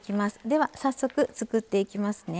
では早速つくっていきますね。